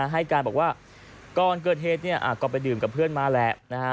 ให้การบอกว่าก่อนเกิดเหตุก็ไปดื่มกับเพื่อนมาแหละ